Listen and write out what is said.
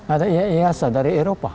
ada iasa dari eropa